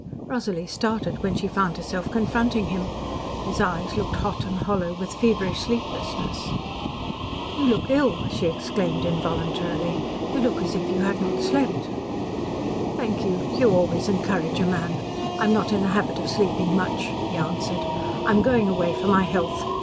Rosalie started when she found herself confronting him. His eyes looked hot and hollow with feverish sleeplessness. "You look ill," she exclaimed involuntarily. "You look as if you had not slept." "Thank you. You always encourage a man. I am not in the habit of sleeping much," he answered. "I am going away for my health.